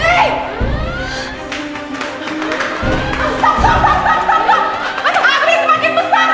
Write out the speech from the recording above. agri semakin besar